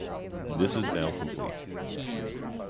This is now complete.